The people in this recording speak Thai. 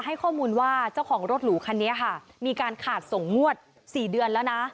ให้ข้อมูลว่าเจ้าของรถหรูคันนี้ค่ะมีการขาดส่งงวด๔เดือนแล้วนะ